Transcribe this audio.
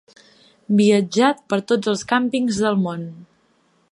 Viatjat per tots els càmpings del món.